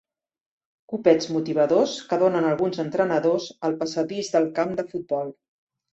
Copets motivadors que donen alguns entrenadors al passadís del camp de futbol.